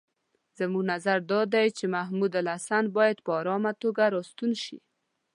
زموږ نظر دا دی چې محمودالحسن باید په آرامه توګه را ستون شي.